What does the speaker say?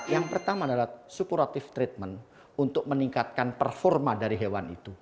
yang pertama adalah superatif treatment untuk meningkatkan performa dari hewan itu